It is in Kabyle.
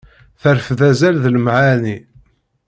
Terfed azal d lemɛani.